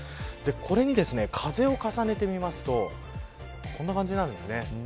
これに風を重ねてみるとこんな感じになります。